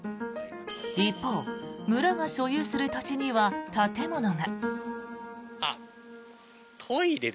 一方、村が所有する土地には建物が。